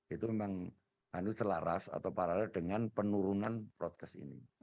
itu memang selaras atau paralel dengan penurunan broadcast ini